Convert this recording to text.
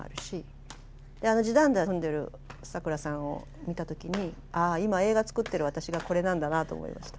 あのじだんだ踏んでるサクラさんを見た時にああ今映画作ってる私がこれなんだなと思いました。